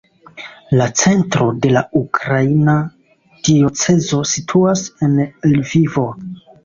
La centro de la ukraina diocezo situas en Lvivo.